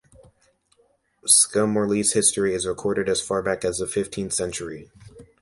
Skelmorlie's history is recorded as far back as the fifteenth century.